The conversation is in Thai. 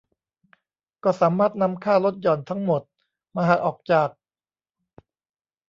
ก็สามารถนำค่าลดหย่อนทั้งหมดมาหักออกจาก